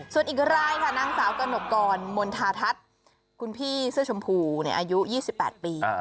ส่วนอีกรายค่ะนางสาวกระหนกกรมณฑาทัศน์คุณพี่เสื้อชมพูอายุ๒๘ปี